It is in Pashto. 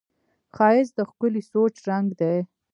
ښایست د ښکلي سوچ رنګ دی